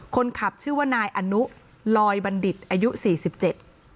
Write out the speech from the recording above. คนขับชื่อว่านายอนุลอยบัณฑิตอายุสี่สิบเจ็ด